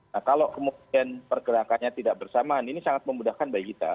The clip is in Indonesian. nah kalau kemudian pergerakannya tidak bersamaan ini sangat memudahkan bagi kita